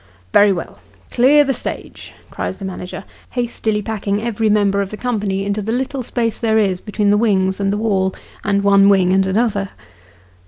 " Very well. Clear the stage," cries the manager, hastily packing every member of the company into the little space there is between the wings and the wall, and one wing and another.